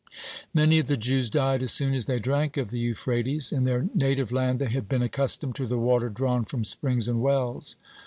Many of the Jews died as soon as they drank of the Euphrates. In their native land they had been accustomed to the water drawn from springs and wells.